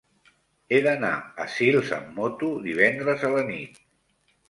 He d'anar a Sils amb moto divendres a la nit.